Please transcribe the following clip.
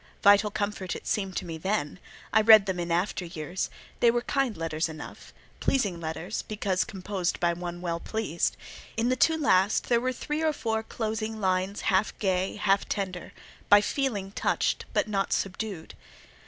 Vital comfort it seemed to me then: I read them in after years; they were kind letters enough—pleasing letters, because composed by one well pleased; in the two last there were three or four closing lines half gay, half tender, "by feeling touched, but not subdued."